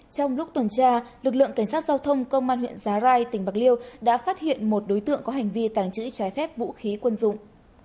trong lúc tuần tra lực lượng cảnh sát giao thông công an huyện giá rai tỉnh bạc liêu đã phát hiện một đối tượng có hành vi tàng trữ trái phép vũ khí quân dụng